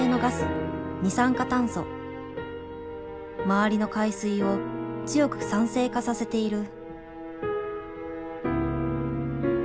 周りの海水を強く酸性化させている。